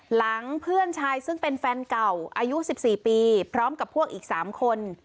หลังเพื่อนชายซึ่งเป็นแฟนเก่าอายุ๑๔ปีพร้อมกับพวกอีก๓คน